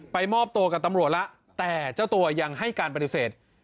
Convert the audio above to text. มอบตัวกับตำรวจแล้วแต่เจ้าตัวยังให้การปฏิเสธ